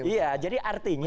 iya jadi artinya